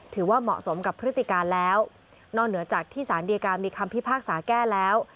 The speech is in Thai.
ถือว่าเหมาะสมกับพฤติการแล้วนอกเหนือจากที่สารดีการมีคำพิพากษาแก้แล้ว